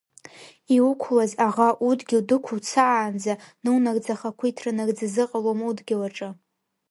Иуқәлаз аӷа удгьыл дықәуцаанӡа, наунагӡа ахақәиҭра нагӡа зыҟалом удгьыл аҿы.